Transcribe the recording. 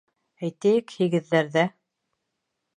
Әйтәйек, һигеҙҙәрҙә